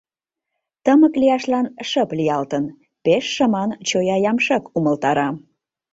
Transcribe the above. — Тымык лияшлан шып лиялтын... — пеш шыман чоя ямшык умылтара.